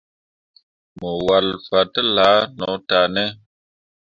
Mo walle fah balla no tah ne ?